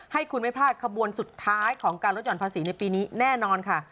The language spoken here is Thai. ให้คุณไม่พลาดขบวนสุดท้ายของการลดห่อนภาษีในปีนี้แน่นอนค่ะ